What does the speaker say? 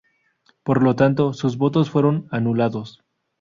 Por lo tanto, sus votos fueron anulados.